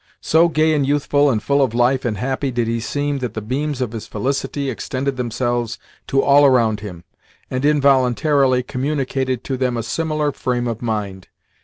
So gay and youthful and full of life and happy did he seem that the beams of his felicity extended themselves to all around him, and involuntarily communicated to them a similar frame of mind.